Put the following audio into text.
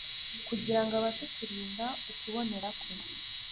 kugira ngo abashe kurinda ukubonera kwe